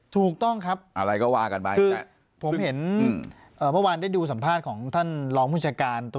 ถูกต้องครับคือผมเห็นพอบางวันได้ดูสัมภาษณ์ของท่านรองผู้ชายการ